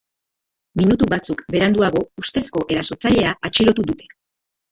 Minutu batzuk beranduago ustezko erasotzailea atxilotu dute.